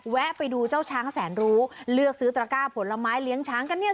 แวะไปดูเจ้าช้างแสนรู้เลือกซื้อตระก้าผลไม้เลี้ยงช้างกันเนี่ย